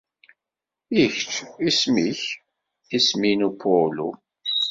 I kecc, isem-nnek? Isem-inu Paulo.